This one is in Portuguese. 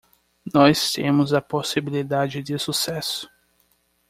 Nós temos a possibilidade de sucesso